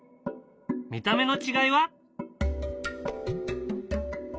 見た目の違いは。